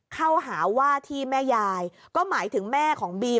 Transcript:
เข้าหาว่าที่แม่ยายก็หมายถึงแม่ของบีม